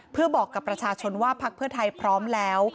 เพื่อบอกกับประชาชนว่าพักเพื่อไทยพร้อมแล้ว